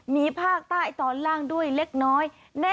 มีภาคใต้ตอนล่างด้วยเล็กน้อย